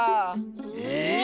え？